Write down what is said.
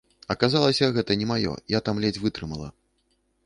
Аказалася, гэта не маё, я там ледзь вытрымала.